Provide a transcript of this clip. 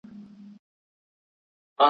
بختور به په دنیا کي د حیات اوبه چښینه.